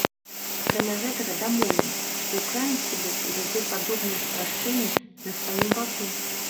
Акрамя гэтага дамоўлена, што ўкраінскі бок увядзе падобныя спрашчэнні на сваім баку.